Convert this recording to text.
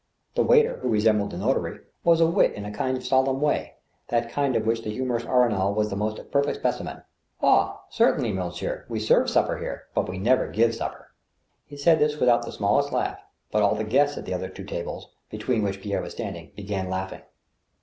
The waiter, who resembled the notary, was a wit in a kind of solemn way— that kind of which the humorist Amal was the most perfect specimen. " Oh ! certainly, monsieur, we serve supper here, but we never give supper." He said this without the smallest laugh, but all the guests at the other two tables, between which Pierre was standing, began laughing.